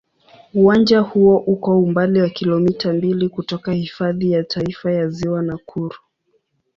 Uwanja huo uko umbali wa kilomita mbili kutoka Hifadhi ya Taifa ya Ziwa Nakuru.